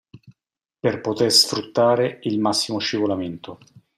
Per poter sfruttare il massimo scivolamento.